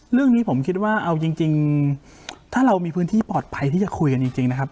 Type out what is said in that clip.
เรื่องนี้ผมคิดว่าเอาจริงถ้าเรามีพื้นที่ปลอดภัยที่จะคุยกันจริงนะครับ